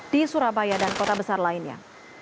di surabaya dan kota besar lainnya